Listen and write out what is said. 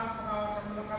tentang pengawasan menekatan